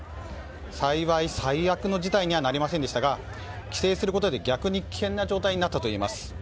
幸い、最悪の事態にはなりませんでしたが規制することで逆に危険な状態になったといいます。